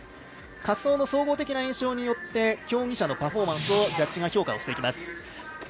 滑走の総合的な印象によって競技者のパフォーマンスをジャッジが評価していきます。